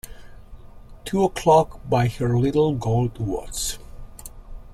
Two o'clock by her little gold watch.